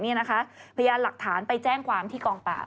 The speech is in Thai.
พยานหลักฐานไปแจ้งความที่กองปราบ